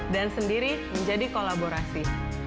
dan sendiri menjadi kolaborasi